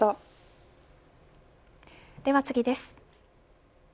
では次です。